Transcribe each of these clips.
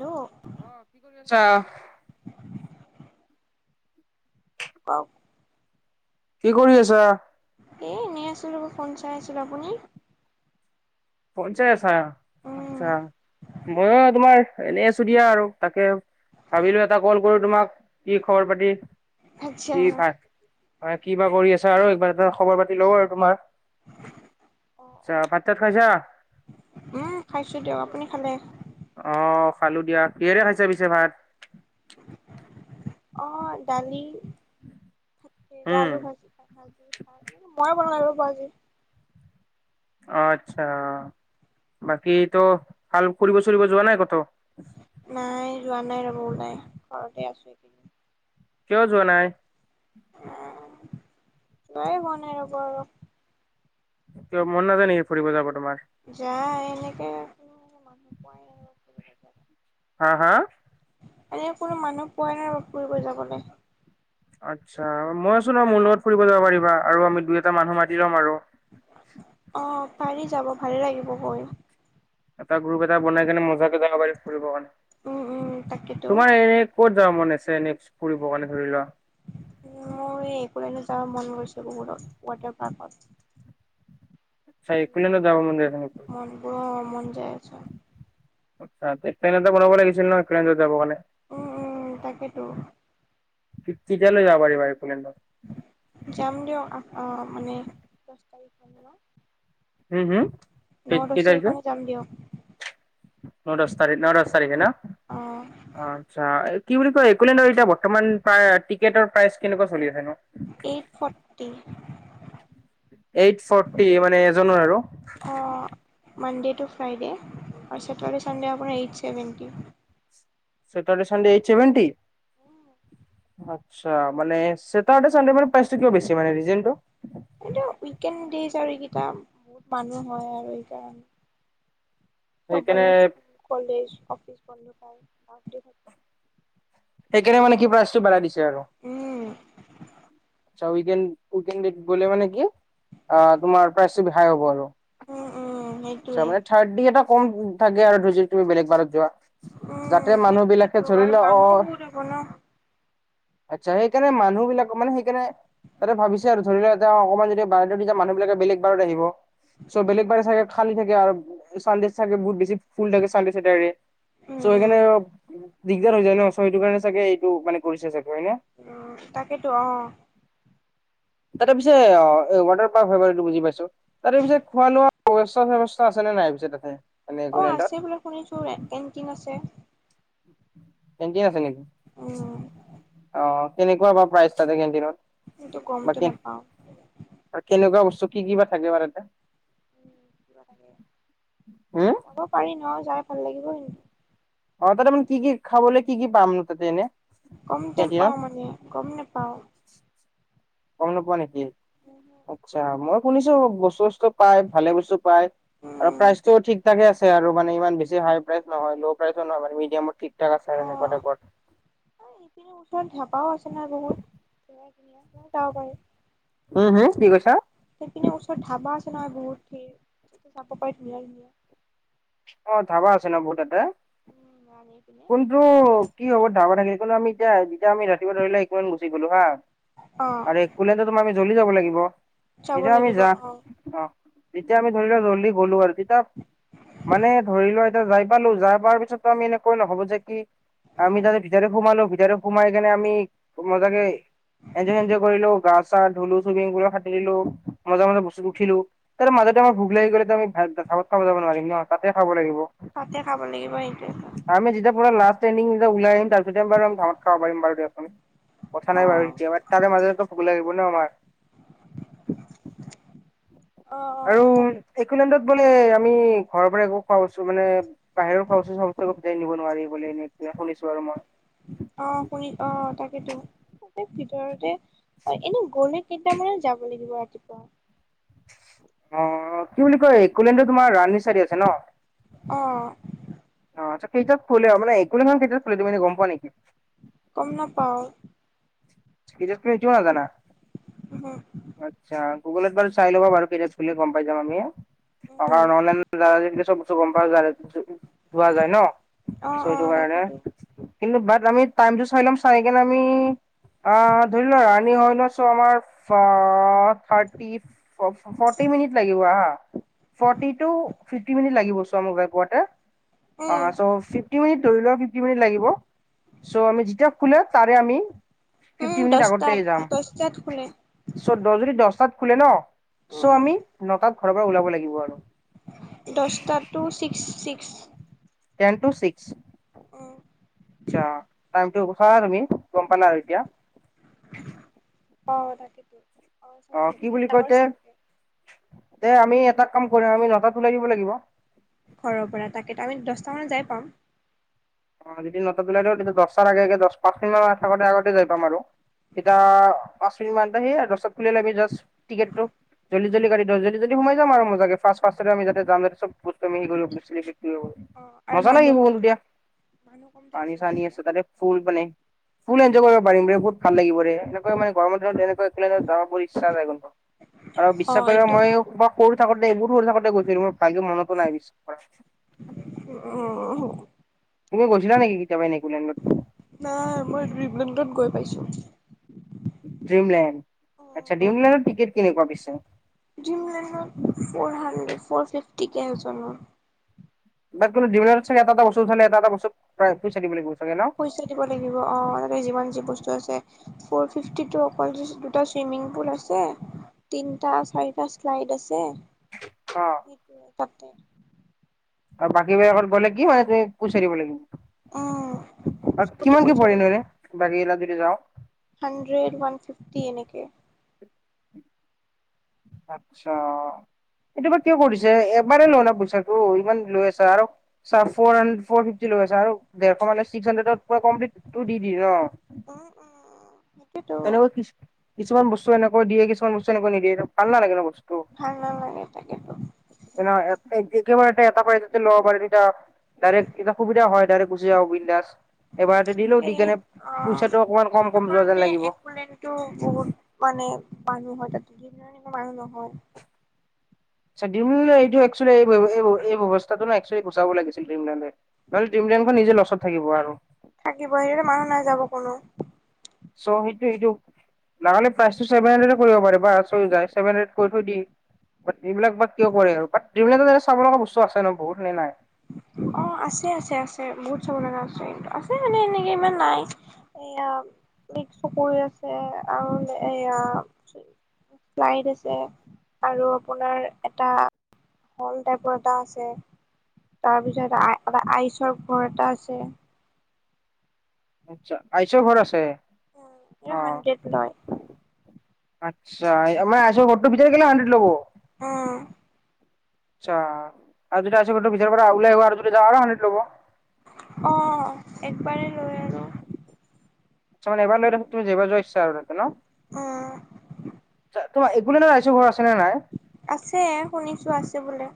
Hello অ'কি কৰি আছা? অও [inaudible] কি কৰি আছা? এ এনেই আছিলো ৰ'ব ফোন চাই আছিলো। আপুনি? ফোন চাই আছা। উম, আচ্ছা। মইও তোমাৰ এনে আছোঁ দিয়া আৰু তাকে ভাবিলো এটা কল কৰো তোমাক, কি খবৰ পাতি? আচ্ছা। কি ভাল হয় কি বা কৰি আছে আৰু একবাৰ এটা খবৰ পাতি লওঁ আৰু তোমাৰ ছা ভাত-চাত খাইছে? উম খাইছো দিয়ক। আপুনি খালে? আহ খালো দিয়া। কিহেৰে খাইছা পিছে ভাত? আহ দালি থাকি উম ললু ভাজি খ ভাজি খাই মই বনালাগ ৰ ব আ [unintelligible] আচ্ছা বাকী তো ভাল ফুৰিব চুৰিব যোৱা নাই ক'তো? নাই যোৱা নাই ৰ'ব ওলাই ঘৰতে আছো। কিয় যোৱা নাই? তাই য়ে হোৱা নাই ৰ'ব আৰু। কিয় মন নাযায় নেকি ফুৰি যাৱ তোমাৰ? যায় এনেকে, মানুহ পোৱাই আৰু [unintelligible] হা হা। এনেই কোনো মানুহ পোৱাই নাই‌ ল'ব, ফুৰিব যাবলে। আচ্ছা মই আছো নহয় আৰু মোৰ লগত ফুৰিব যাব পাৰিবা আৰু আমি দুই এটা মানুহ মাতি লম আৰু। অহ পাৰি যাব ভাল‌ লাগিব গৈ। এটা গ্ৰুপ এটা বনাই কেনে মজাে যাব পাৰি ফুৰিব কাৰণে, উম উম তাকেতো তোমাৰ এনেই ক'ত [unintelligible] মন আছে নেক্স ফুৰিব কাৰণে ধৰি লোৱা। মোৰ এই একোলেণ্ডত যাব মন গৈছে বহুতত ৱাটাৰ পাৰ্কত। চ ইমান কুল ন গৰম যাবা মন্দিৰ [unintelligible] মনবোৰৰ মন যায় আৰু। আচ্ছা তে প্লেট এটা বনাব লাগিছিল ন কেত [unintelligible] যাব কাৰণে। উম- উম তাকেইতো। কি কেতিয়ালৈ যাব পাৰিবা [unintelligible] বাৰ কোলে ন তাই পন [inaudible] উম হম কটাৰছে মানে যাম দিয়ক [unintelligible] ন দহ তাৰিখে ন দছ তাৰিখে ন। অ আচ্ছা। কি বুলি কয় একোলেন্দৰ এতিয়া বৰ্তমান প্ৰায় টিকেটৰ প্ৰাইচ কেনেকুৱা চলি আছে নো। Eight forty. এইট ফৰ্টি মানে এজনৰ আৰু। অ মানডে টু ফ্ৰাইডে আৰু ছেটাৰডে চানডে আপোনাৰ এইট ছেভেণ্টি। চেটাৰৰ্ডে চানডে এই ছেভেনটি। আচ্ছা মানে চটাৰৰ্ডে চানডে মানে প্ৰাইচতো কিয় বেছি, মানে ৰিজনটো। এইটো উইকেণ্ড ডেইজ আৰু এইকেইটা বহুত মানুহ হয় আৰু এই কাৰণে। সেইকাৰণে চবৰে স্কুল কলেজ অফিচ বন্ধ পায়, ভৰ্তি থাকে। সেইকাৰণে মানে কি প্ৰাইজটো বঢ়াই দিছে আৰু। উম উইকেণ্ড উইকেন দেত মানে কি, অহ তোমাৰ প্ৰাইচটো হাই হ'ব আৰু। উম উম আচ্ছা সেইটোৱে মানে থাৰ্ডতি এটা কম থাকে আৰু যদি তুমি বেলেগ বাৰত যোৱা। যাতে মানুহবিলাকে ধৰিলোৱা অহ। কোনো। আচ্ছা সেইকাৰণে মানুহবিলাক মানে সেইকাৰণে তাতে ভাবিছে আৰু ধৰি লোৱা এটা অকণমান যদি বা [unintelligible] মানুহবিলাকে বেলেগ বাৰত আহিব। চ' বেলেগ বাৰে চাগে খালী থাকে আৰু চানডে চাগে বহুত বেছি ফুল থাকে চানডে ছেটাদে। উম চ' উম। সেইকাৰণে দিগদাৰ হৈ যায় ন, চ' সেইটো কাৰণে চাগে এইটো মানে কৰিছে চাগে। হয় নে? উম, তাকেতো অহ। তাতে পিছে অহ ৱাটাৰ পাৰ্ক হয় বাৰু এইটো বুজি পাইছোঁ। তাতে পিছে খোৱা-লোৱা ব্যৱস্থা-চেবস্থা আছে আছে নে নাই পিছে তাতে। মানে অহ, একলেণ্ডত আছে বোলে শুনিছোঁ, কেন্টিন আছে। কেন্টিন আছে নেকি, উম। অহ কেনেকুৱা বা প্ৰাইচ তাতে কিন্তু কেণ্টিনত। গমটো বাকী নাপাওঁ। কেনেকুৱা বস্তু কি কি বা থাকে বা তাতে। হুম যাব পাৰি ন, যাই ভাল লাগিব কিন্তু। অহ তাতে মানে কি কি খাবলৈ, কি কি পাম ন তাতে এনেই। গম নাপাওঁ মানে, গম নাপাওঁ। গম নোপোৱা নেকি, আচ্ছা মই শুনিছোঁ বস্তু চস্তু পাই ভালে বস্তু পায়। আৰু উম প্ৰাইচতো ঠিক থাকে আছে আৰু মানে ইমান বেছি হাই প্ৰাইচ নহয় ল' প্ৰাইচো নহয় মান মিডিয়ামত ঠিক ঠাক আছে আৰু এনেকুৱা অহ, টাইপৰ। এইপিনে ওচৰত ধাবাও আছে নহয় বহুত। ধুনীয়া তাতেও যাব পাৰি। উম হুম কি কৈছা? সেইপিনে ওচৰত ধাবা আছে নহয় বহুতখিনি। তাতে চাব পাই ধুনীয়া ধুনীয়া। অহ ধাবা আছে ন বহত তাতে, উম ৰান্ধি পিনে কোনটো কি হ'ব ধাবা থাকি আমি এতিয়া যেতিয়া আমি ৰাতিপুৱা ধৰিলোৱা একোলেণ্ড গুচি গলোঁ হা অ আৰু একোলেণ্ডত তোমাৰ জ্বলি যাব লাগিব যাব এতিয়া আমি লাগিব যা অ। অ', ততিয়া আমি ধৰি লোৱা জল্দি গ'লোঁ আৰু তে ধৰি লোৱা এতিয়া যাই পালো যাই পাৰ পিছতো আমি এনেকৈ নহ'ব যে কি আমি তাতে ভিতৰে সোমালো ভিতৰত সোমাই কেনি আমি মজাকে এঞ্জয় চেনজয় কৰিলো গা চা ধুলো চুইমিং পুলত হাতুৰিলোঁ মজা মাজা বস্তুত উঠিলো তাৰে মাজত আমাৰ ভোক লাগি গলে আমি চাবত খাব নোৱাৰিম ন তাতে খাব লাগিব। তাতে খাব লাগিব সেইটোৱেইতো আমি যেতিয়া [unintelligible] ওলাই আহিম তাৰপিছতহে বাৰু ভাম খাব পাৰি বাৰু দে আমি। কথা অ নাই বাৰু তেতিয়া আমাৰ, তাৰে মাজেতো ভোক লাগিব ন আমাৰ। অহ', আৰু অহ' তাকে। একলেণ্ডত বোলে আমি ঘৰৰ পৰা একো খোৱাাইছো মানে বাহিৰো খোৱাবস্তু চোবাবস্তু নিব নোৱাৰি বোলে এনেই। সেয়া শুনিছোঁ আৰু মই। অহ শুনি, অহ তাকেতো ভিতৰতে হয় এনে গ'লে কেইটামানত যাব লাগিব ৰাতিপুৱা। অ', কি বুলি কয় একলেন্ডটো, তোমাৰ ৰাণী চাইদে আছে ন? অ', অ', কেইটাত খুলে মানে একলেন্ড খন কেইটাত খুলে তুমি গম পোৱা নেকি? গম নাপাওঁ। কি জাষ্ট কি এইটোও নাজানা উহু আচ্ছা। গুগলত বাৰু চাই ল'ব বাৰু কেতিয়া খুল গম পাই যাম আমি উম কাৰণ অনলাইন [unintelligible] গম পাই পোৱা যোৱা যায় ন' অ চ' অ সেটো কাৰণে তাকেতো কিন্তু বত আমি টাইমটো চাই লম চাই কেনে আমি অ', ধৰি লোৱা ৰাণী হয় ন চো আমাৰ থাৰ্টি ফৰ্টি মিনিট লাগিব হা। ফৰ্টিটো ফিফ্টি মিনিট লাগিব ছ' আমি গৈ পোৱাতে, উম আহা চ' ফিফ্টি মিনিট ধৰি লোৱা ফিফট মিনি লাগিব চ' আমি যেতিয়া খো তাৰে আমি উম ফিফটি মিনিট আগতে দছটাত যাম দছটাত খোলে চ' দ যদি দশটাত খোলে ন চ' উম আমি নটাত ঘৰৰ পৰা ওলাব লাগিব আৰু। দশটোতো six six ten to six উম আচ্ছা টাইমটো চালা তুমি গম পালা আৰু এতিয়া অ', তাকেতো অ', চাইছো কি এইট বুলি কয় তে আৱাৰ্ছ থাকে। তে আমি এটা কাম কৰি আমি নটাত ওলাই দিব লাগিব। ঘৰৰ পৰা তাকে আমি দশটা মানত যাই পাম। অ', যদি নটাত ওলাই দিয়ো তেতিয়া দশটাৰ আগে আগে দশ পাঁচ মিনিট থাকোতেই আগতে যাই পাম আৰু। এতিয়া পাঁচ মিনিট মান, সেই দশটাত খুলিলে আমি জাষ্ট টিকেটটো জলদি জলদি গড়ীটো জল্দি জল্দি সোমাই যাম আৰু মজােকে, ফাৰ্ষ্ট ফাৰ্ষ্টতেই আমি যাতে যাম যাতে চব বস্তু আমি হেৰি কৰি লম অ [unintelligible] আৰু মজা মানুহ লাগিব কম কলো দিয়া। থাকে মানুহ কম পানী থাকিব চানি তেতিয়া আছে তে ফুল বানে ফুল এন্জয় কৰিব পাৰিম ৰে। বহুত ভাল লাগিবৰে এনেক মানে গৰমৰ দিনত এনে [unintelligible] ইচ্ছা যায় গম পাওঁ আৰু অ বিশ্বাস কৰিবা এইটো মই, মই সৰু থাকোতে বহুত সৰু থাকোঁতেই গৈছিলোঁ মোৰ ভালকে মনতো নাই বিশ্বাস কৰা। উম, তুমি গৈছিলা নেকি কেতিয়াবা এনেই একলেণ্ডত নাই মই ড্ৰিমলেণ্ডত গৈ পাইছো। ড্ৰিমলেণ্ড আচ্ছা ড্ৰিমলেণ্ডৰ টিকেট কেনেকোৱা পিছে? পঢ়া ফৰ ফিফটি কে এজনৰ বাট কিন্তু ড্ৰিমলেণ্ডত চাগে এটা এটা বস্তুত উঠালে এটা এটাৰ বস্তুত পইচা দিব লাগিব চাগে ন? পইচা দিব লাগিব অ', তাতে যিমান যি বস্তু আছে। ফৰ ফিফটিটো অকল দুটা চুইমিং পুল আছে তিনিটা চাৰিটা শ্লাইড আছে। অ' তাতে আৰু বাকী বেলেগত গ'লে কি হৈ আছে, পইচা দিব উম। লাগিব। অ' চবতে কিমানকে পৰেনো এনে বাকী কিলাত যদি যাওঁ? হান্দ্ৰেদ, ওন ফিফটি এনেকে। আচ্ছা। এইটো বা কিয় কৰিছে? এবাৰ ল না পইচাটো ইমান লৈ আছা আৰু চ ফৰান ফৰ্ফিফটি ল আৰু ডেৰশ মানে ছিকছ হাড্ৰেডত পোৰা কমপ্লিট টু দি দি ন' উম উম সেইটোৱেতো [unintelligible] কিছোমান বস্তু এনেকৈ দিয়ে কিছোমান বস্তু এনেকৈ নিদিয়ে ভালা নালাগে ন' বস্তু ভাল নালাগে তাকেতো নহয় একেবাৰতে এটা পৰাই যদি ল'ব পাৰোঁ তেতিয়া ডাইৰেক্ট এইবিলাক সুবিধা হয়, ডাইৰেক্ট গুচি আহোঁ বিন্দাছ। এবাৰতে দিলো দি সেই কেনে অ' পইচাটো অকমান কম কম যোৱা যেন লাগিব। টো বহুত মানে মানুহ হয় তাতো যকুৱা মানুহ নহয়। [unintelligible] এইটো অক্সুয়েলি এৰি পৰিব এই এই এই ব্যৱস্থাটো না গুচাব লাগছিল ড্ৰিমলেন্দে। [unintelligible] নিজে লচত থাকিব আৰু। থাকিব সেইতে মানুহ নাই যাব কোনো। চ' সেইটো সেইটো। নহ'লে প্ৰাইছটো টোভন হাড্ৰেড কৰিব পাৰে বাছ হৈ যাই চেভেন হাড্ৰড কৰি থৈ দি। এইবিলাক বা কিয় কৰে আৰু, বাত ড্ৰিমলেণ্ডত এনে চাব লগা বস্তু আছে ন বহুত নে নাই? অ', আছে আছে আছে বহুত চাব লগা আছে কিন্তু, আছে মানে এনেকে ইমান নাই। এইয়া মিক্স চ কৰি আছে আৰু এয়া ফ্লাইট আছে আৰু আপোনাৰ এটা হল টাইপৰ এটা আছে। তাৰপিছত আ এটা আইচৰ ঘৰ এটা আছে। আচছা, আইিছৰ ঘৰ আছে। উম, অ হানড্ৰেড লয়। আচ্ছা আমাৰ আছো ঘৰটো ভিতাৰ কেলে হাড্ৰেড ল'ব? উম। আচ্ছা আৰু যদি আইছৰ ঘৰটো ভিতৰ পৰা আ উলাই অহা আৰু যদি যাওঁ আৰু সন্দ্ৰেড ল'ব? অহ, একবাৰেই লৈ আৰু। আচ্ছ মানে এবাৰ লৈ তাছত তুমি জাইবাৰ যোৱা ইচছ আৰু নতে ন'? অ'। তাত তোমা একো লেণ্ডত এইছৰ ঘৰ নে নাই আছে শুনিছো আছে বোলে।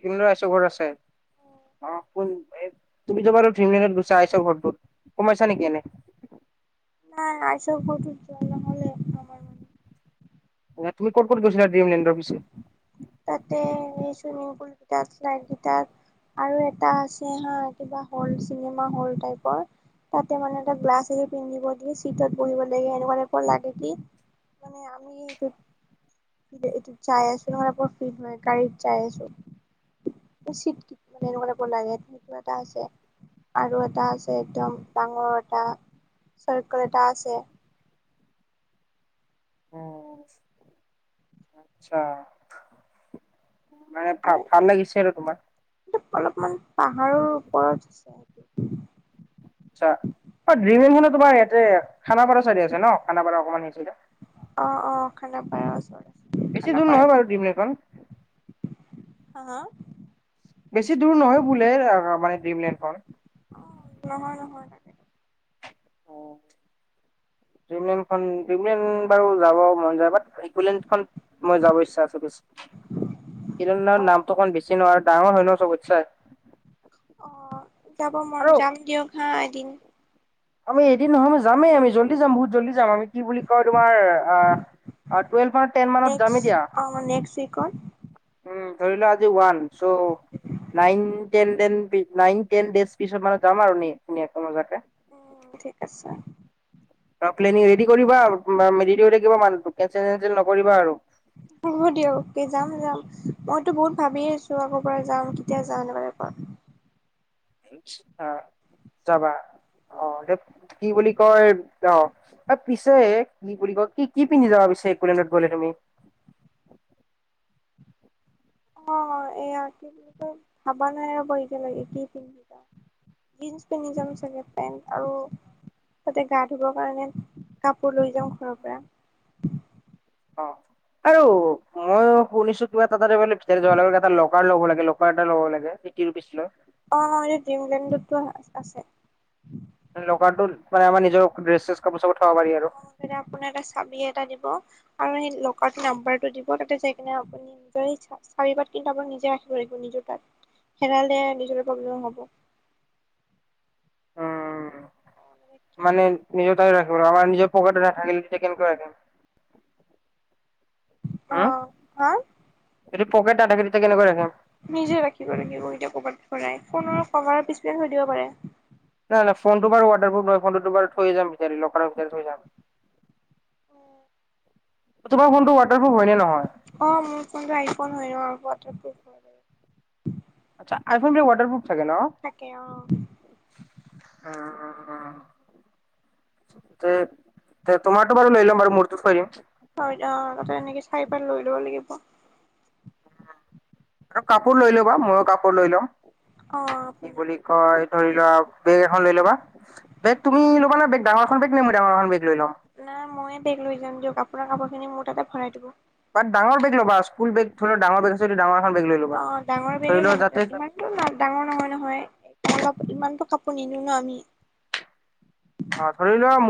আকুলেণ্ডত আইছৰ ঘৰ আছে, অ' [unintelligible] তুমিতো বাৰু ড্ৰিম লেণ্ডত গৈছা এইচৰ ঘৰটোত, সুমাইছা নেক এনে? নাই এইচৰ ঘৰটোত যোৱা নহলে। আমাৰ মানে। তুমি ক'ত ক'ত গৈছিলা ড্ৰিমলণ্ডৰ পিছে? তাতে চুইমিং পুল গিটাৰ, স্লাইড গীতাত। আৰু এটা আছে হা কিবা হল চিনেমা হল টাইপৰ তাতে মানে এটা গ্লাছ আহি পিন্ধিব দিয়ে চিটত বহিব লাগে এনেকুৱা টাইপৰ লাগে কি মানে আমি এইটো, যে এইটো যাই আছিলো মাৰপ মই গাড়ীত যাই আছো। চিত এনেকুৱা টাইপৰ লাগে, তেনেকুৱা এটা আছে। আৰু এটা আছে একদম ডাঙৰ এটা চৰ্কল এটা আছে। উম, আচ্ছা। মানে আৰু ভা-ভাল লাগিছে আৰু তোমাৰ? অলপমান পাহাৰৰ ওপৰত আছে [unintelligible] যে খানাপাৰ চাইডে আছে ন' খানাপাৰা অকমান সে ফালে অ', অ', খানাাপায়ৰ ওচৰততে। বেছি দূৰ নহয় বাৰু। [unintelligible] হা হা? বেছি দূৰ নহয় বোলে [unintelligible] মানে ড্ৰিমলেণ্ডখন অ', নহয়, নহয়। তাকে অ', [unintelligible] বাৰু যাব মন যায়, বাত একোলেণ্ডখন মই যাব ইচ্ছা আছে, কিন্তু অ', না-নামটো অকমান বেছি [unintelligible] ডাঙৰ হয় নহ, চবৎচায় অ' যাব মন, যাম দিয়ক হা এদিন। আমি এদিন নহয় আমি যামেই আমি জল্দি যাম বহুত জল্দি যাম আমি কি বুলি কয় তোমাৰ আহ আৰু টুৱেলভ বা টেন মানত নেক্স যামে দিয়া অ', নেক্স উইকত উম। ধৰি লোৱা আজি ওৱান চ nine ten ten P nine ten there's পিছত মানে যাম আৰু ধুনীয়াকে মজাকে। উম ঠিক আছে। প্লেনিং ৰেডি কৰিবা আৰু ৰেডি হৈ থাকিবা মানুহটো কেনচেল চেনচেল নকৰিবা আৰু। [inaudible] হ'ব দিয়ক, কি যাম-যাম। মইতো বহুত ভাবিয়েই আছো, আগৰ পৰা যাম কেতিয়া যাম এনেকুৱা কে? [inaudible] অ', যাবা। অ', এ কি বুলি কয় অহ পিছে, কি বুলি কয়? কি-কি পিন্ধি যাবা পিছে, একোলেণ্ডত গলে তুমি? [inaudible] অ', অ'। এইয়া কি বুলিব ভাবা নাই ৰ'ব এতিয়ালৈকে, কি পিন্ধি যাম? জীন্স পিন্ধি যাম চাগে? পেন্ট আৰু তাতে গা ধুবৰ কাৰণে কাপোৰ লৈ যাওঁ ঘৰৰ পৰা। অ', আৰু মই শুনিছো কিবা এটা তাতে বোলে ভিতৰে যোৱা লকাৰ লব লাগে, লকাৰ এটা লব লাগে, ফিফটি ৰুপিচ লৈ। অ', অ'। এই ড্ৰিমলেণ্ডতো আছে। লকাৰটো মানে আমাৰ নিজৰ ড্ৰেছ-ছেজ [inaudible] আৰু সেই লকাৰটোৰ নাম্বাৰটো দিব, তাতে যাই পিনে আপুনি নিজৰ ইচ্ছা চাৰি বা তিনটা [unintelligible] আপুনি নিজে ৰাখিব লাগিব নিজৰ [unintelligible] হেৰালে নিজৰেই প্ৰব্লেম হ'ব। উম কি মানে, নিজৰ তাতে ৰাখ আৰু আমাৰ নিজৰ পকেটত নাথাকিলে কেনকৈ ৰাখিম? অহ, হা? এইটো পকেট নাথাকিলে নিজে ৰাখিব লাগিব এতিয়া ক'বাত ভৰাই, ফোনৰ কভাৰৰ পিছপিনে থৈ দিব পাৰে। নাই-নাই ফোনটো বাৰু ৱাটাৰপ্ৰুফ হয়, ফোনটোতো বাৰু থৈ যাম। ভিতাৰে, লকাৰৰ ভিতাৰে থৈ যাম। অ', তোমাৰ ফোনটো ৱাট অ', মোৰ ফোনটো আইফোন হয়। অ', ৱাটাৰপ্ৰুফ হয়। আচ্ছা, আইফোনবিলাক ৱাটাৰপ্ৰুফ থাকে নহ? থাকে অ অ'। উম, তে-তে তোমাৰতো বাৰু লৈ লম বাৰু মূৰটো থৈ দিম। হয়, অ'। আগতে এনেকে চাই পাই লৈ ল'ব লাগিব। আৰু কাপোৰ লৈ ল'বা, মইও কাপোৰ লৈ লম। অ কি আপুনি বুলি কয় ধৰি লোৱা বেগ এখন লৈ ল'বা, বেগ তুমি ল'বা নে? বেগ ডাঙৰ এখন বেগ, নে মই ডাঙৰ এখন বেগ লৈ ল'ম? নাই মইয়ে বেগ লৈ যাম দিয়ক, আপোনাৰ কাপোৰ খিনি মোৰ তাতে ভৰাই দিব। বাট ডাঙৰ বেগ ল'বা, স্কুল বেগ ধৰি লোৱা ডাঙৰ বেগ আছে যদি ডাঙৰ এখন বেগ লৈ ল'বা। অ', ডাঙৰ ধৰি বেগে লোৱা লম যাতে এতিয়া, ইমানটো ডাঙৰ নহয় নহয় অলপ ইমানটো কাপোৰ নিনো নহ আমি? অ', ধৰি লোৱা